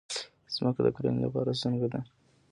ځمکه د کرنې لپاره څنګه ده؟